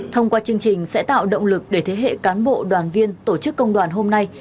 thông qua chương trình sẽ tạo động lực để thế hệ cán bộ đoàn viên tổ chức công đoàn hôm nay